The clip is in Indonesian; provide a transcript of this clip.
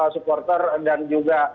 supporter dan juga